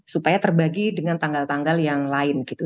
supaya terbagi dengan tanggal tanggal yang lain gitu